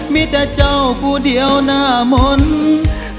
มีแต่เจ้าผู้เดียวหน้ามนต์